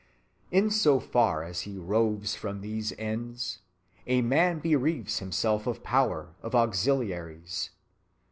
In so far as he roves from these ends, a man bereaves himself of power, of auxiliaries.